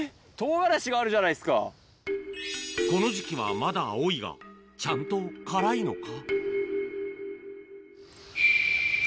この時期はまだ青いが、ちゃんと辛いのか？